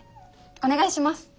お願いします。